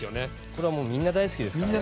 これはもうみんな大好きですからね。